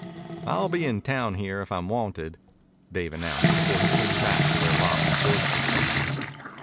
"I'll be in town here if I'm wanted," Dave announced before he came back to where Bob and Joyce were standing.